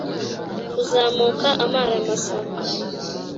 kuzamuka amara masa